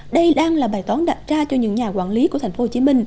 đây đang là bài toán đặt ra cho những nhà quản lý của tp hcm